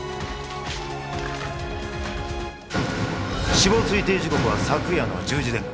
死亡推定時刻は昨夜の１０時前後。